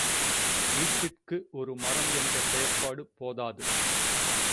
வீட்டிற்கு ஒருமரம் என்ற செயற்பாடு போதாது.